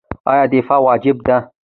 آیا دفاع واجب ده؟